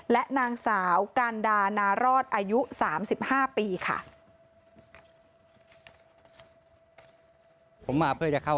และนางสาวการดานารอดอายุ๓๕ปีค่ะ